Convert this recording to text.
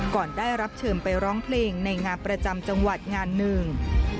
ก่อนได้รับเชิญไปร้องเพลงในงานประจำจังหวัดงานหนึ่ง